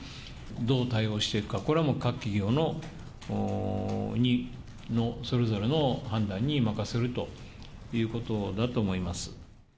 どう対応していくか、これはもう各企業の、それぞれの判断に任せるということだと思います。